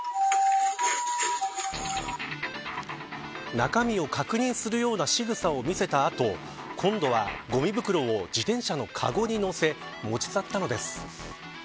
中身を確認するようなしぐさを見せた後今度は、ごみ袋を自転車のかごに載せ、持ち去ったのです。